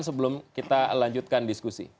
sebelum kita lanjutkan diskusi